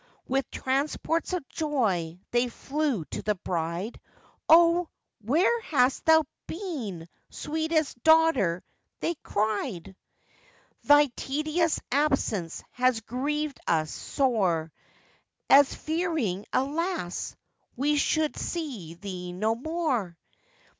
With transports of joy they flew to the bride, 'O! where hast thou been, sweetest daughter?' they cried, 'Thy tedious absence has grievèd us sore, As fearing, alas! we should see thee no more.